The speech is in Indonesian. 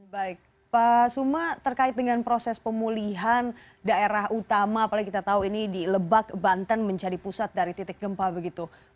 baik pak suma terkait dengan proses pemulihan daerah utama apalagi kita tahu ini di lebak banten menjadi pusat dari titik gempa begitu